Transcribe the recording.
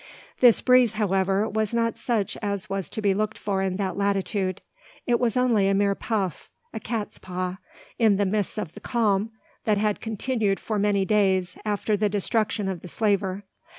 This breeze, however, was not such as was to be looked for in that latitude. It was only a mere puff, a cat's paw, in the midst of the calm that had continued for many days after the destruction of the slaver.